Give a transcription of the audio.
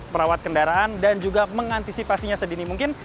merawat kendaraan dan juga mengantisipasinya sedini mungkin